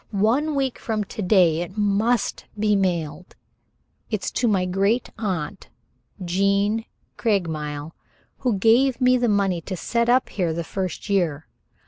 One week from to day it must be mailed. It's to my great aunt, Jean Craigmile, who gave me the money to set up here the first year.